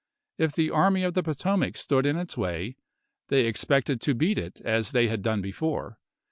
If the Army of the Poto mac stood in its way, they expected to beat it as they had done before.